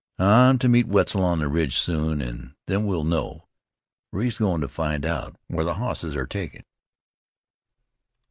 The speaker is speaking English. "I'm to meet Wetzel on the ridge soon, an' then we'll know, for he's goin' to find out where the hosses are taken."